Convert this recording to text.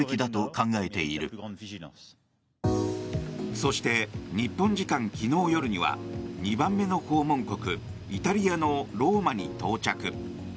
そして、日本時間昨日夜には２番目の訪問国イタリアのローマに到着。